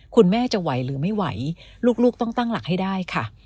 คุณแม่จะไหวหรือไม่ไหวลูกต้องตั้งหลักให้ได้ค่ะ